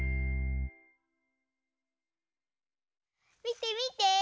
みてみて！